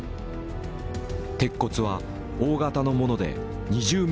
鉄骨は大型のもので２０ｍを超える。